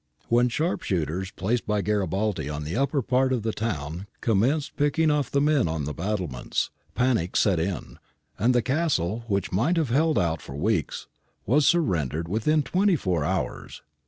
When sharp shooters placed by Garibaldi in the upper part of the town commenced picking off the men on the battlements, panic set in, and the castle, which might have held out for weeks, was surrendered within twenty four hours.